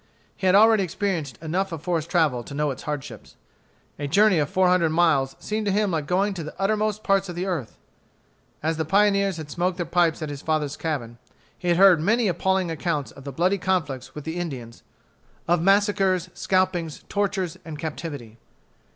He had already experienced enough of forest travel to know its hardships. A journey of four hundred miles seemed to him like going to the uttermost parts of the earth. As the pioneers had smoked their pipes at his father's cabin fire, he had heard many appalling accounts of bloody conflicts with the Indians, of massacres, scalpings, tortures, and captivity.